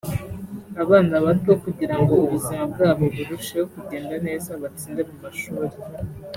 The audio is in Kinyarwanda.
abana bato kugira ngo ubuzima bwabo burusheho kugenda neza batsinde mu mashuri